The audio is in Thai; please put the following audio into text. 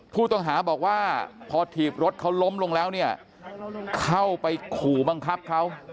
ผู้ต้องหาบอกว่าพอถีบรถเขาล้มลงแล้วเนี่ยเข้าไปขู่บังคับเขา